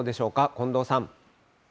近藤さん。